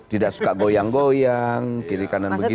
tidak suka goyang goyang kiri kanan begini